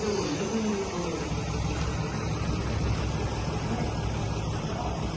あれ？あっ。